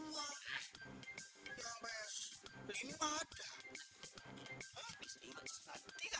yang ps lima ada